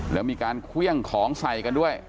แล้วมีการเครื่องของใส่กันด้วย